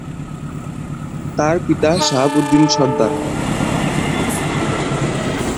তার পিতা শাহাবুদ্দিন সরদার।